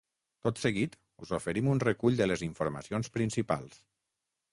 Tot seguit, us oferim un recull de les informacions principals.